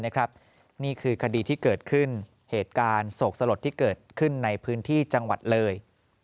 นี่คือคดีที่เกิดขึ้นเหตุการณ์โศกสลดที่เกิดขึ้นในพื้นที่จังหวัดเลย